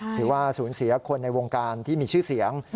ถือว่าสูญเสียคนในวงการที่มีชื่อเสียง